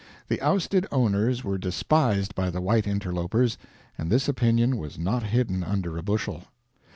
The ousted owners were despised by the white interlopers, and this opinion was not hidden under a bushel.